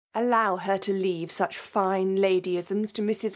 " Allow her to leave such fine ladyisms to Mis.